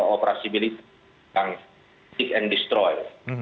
operasi milik yang seek and destroy